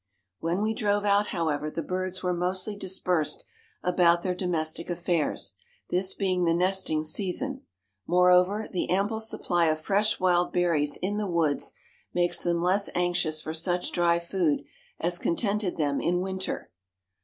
When we drove out, however, the birds were mostly dispersed about their domestic affairs; this being the nesting season. Moreover, the ample supply of fresh wild berries in the woods makes them less anxious for such dry food as contented them in winter.